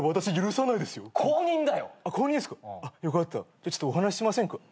じゃあちょっとお話しませんか？